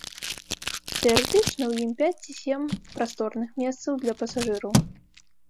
Тэарэтычна ў ім пяць ці сем прасторных месцаў для пасажыраў.